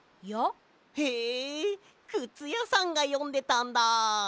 へえくつやさんがよんでたんだ。